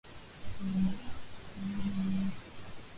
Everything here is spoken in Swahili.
Unatawala Mungu.